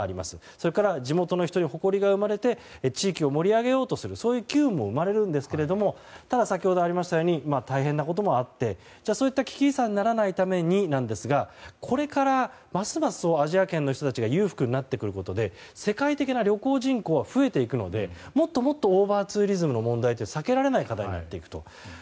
それから地元の人に誇りが生まれて地域を盛り上げようとする機運も生まれるんですがただ先ほどありましたように大変なこともあってそういった危機遺産にならないためになんですがこれから、ますますアジア圏の人たちが裕福になってくることで世界的な旅行人口は増えていくので、もっともっとオーバーツーリズムの問題って避けられない課題になっていくと。